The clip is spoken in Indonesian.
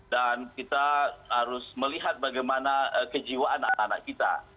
dan kita harus melihat bagaimana kejiwaan anak anak kita